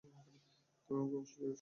তুমি আমাকে কষ্ট দিয়েছ।